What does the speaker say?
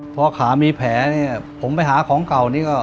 พอขามีแผลเนี่ยผมไปหาของเก่านี่ก็